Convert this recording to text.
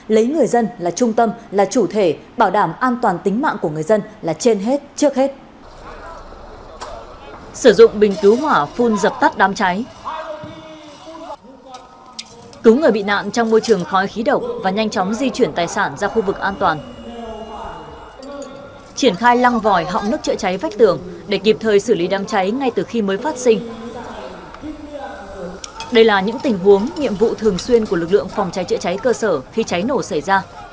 lấy người dân là trung tâm là chủ thể bảo đảm an toàn tính mạng của người dân là trên hết trước hết